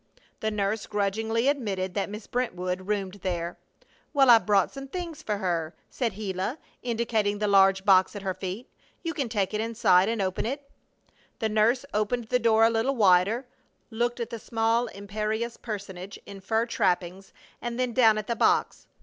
The nurse grudgingly admitted that Miss Brentwood roomed there. "Well, I've brought some things for her," said Gila, indicating the large box at her feet. "You can take it inside and open it." The nurse opened the door a little wider, looked at the small, imperious personage in fur trappings, and then down at the box.